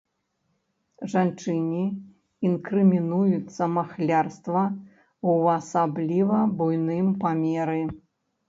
Жанчыне інкрымінуецца махлярства ў асабліва буйным памеры.